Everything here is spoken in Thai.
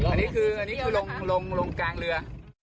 อันนี้คือลงกลางเรือ